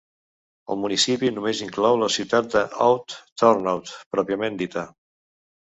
El municipi només inclou la ciutat de Oud-Turnhout pròpiament dita.